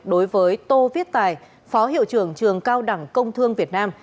đối với tô viết tài phó hiệu trưởng trường cao đẳng công thương việt nam